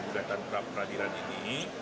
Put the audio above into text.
peraturan pra peradilan ini